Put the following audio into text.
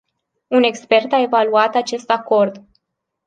Un expert a evaluat acest acord.